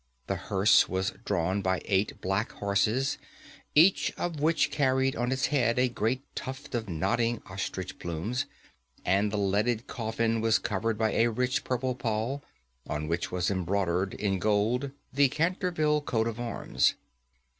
The hearse was drawn by eight black horses, each of which carried on its head a great tuft of nodding ostrich plumes, and the leaden coffin was covered by a rich purple pall, on which was embroidered in gold the Canterville coat of arms.